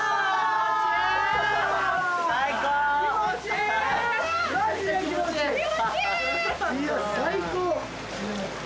いや最高！